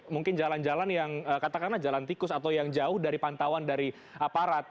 mungkin jalan jalan yang katakanlah jalan tikus atau yang jauh dari pantauan dari aparat